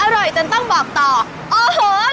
อร่อยจนต้องบอกต่อโอ้โหไทยแลนด์